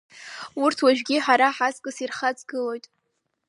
Урҭ уажәыгь ҳара ҳаҵкыс ирхаҵгылоит.